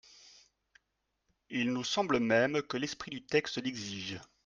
Il nous semble même que l’esprit du texte l’exige.